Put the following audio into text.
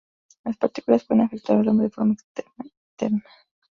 Las partículas pueden afectar al hombre de forma externa e interna.